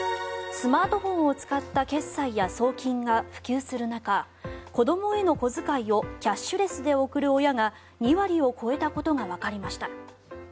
スマートフォンを使った決済や送金が普及する中子どもへの小遣いをキャッシュレスで送る親が２割を超えたことがわかりました。